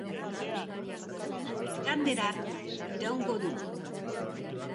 Igandera arte iraungo du.